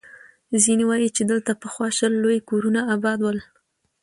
ځيني وایي، چې دلته پخوا شل لوی کورونه اباد ول.